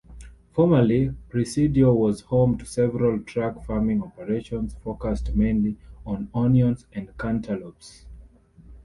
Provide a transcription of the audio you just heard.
Formerly, Presidio was home to several truck-farming operations, focused mainly on onions and cantaloupes.